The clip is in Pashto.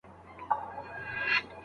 شاګرد کولای سي خپله موضوع پخپله وټاکي.